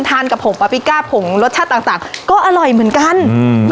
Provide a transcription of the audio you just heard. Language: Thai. ทานกับผงปลาปิก้าผงรสชาติต่างต่างก็อร่อยเหมือนกันอืม